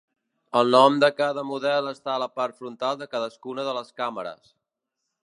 El nom de cada model està a la part frontal de cadascuna de les càmeres.